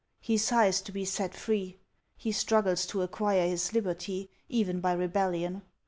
He sighs to be set free ; he struggles to acquire his liberty, even by rebellion.